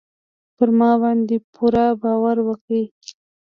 پر ما باندې پوره باور وکړئ.